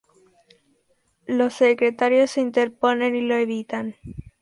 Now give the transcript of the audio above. Los secretarios se interponen y lo evitan.